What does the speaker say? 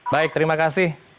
baik terima kasih